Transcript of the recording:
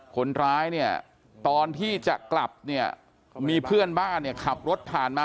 คนร้ายตอนที่จะกลับมีเพื่อนบ้านขับรถผ่านมา